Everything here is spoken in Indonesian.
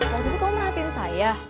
waktu itu kamu perhatiin saya